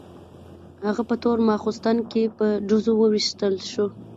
هغه په تور ماخستن کې په ډزو وویشتل شو.